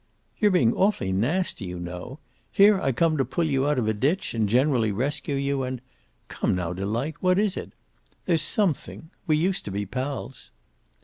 "You're being awfully nasty, you know. Here I come to pull you out of a ditch and generally rescue you, and Come, now, Delight, what is it? There's something. We used to be pals."